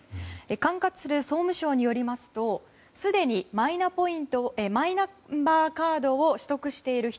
管轄する総務省によりますとすでにマイナンバーカードを取得している人